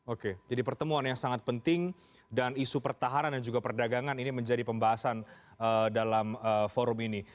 oke jadi pertemuan yang sangat penting dan isu pertahanan dan juga perdagangan ini menjadi pembahasan dalam forum ini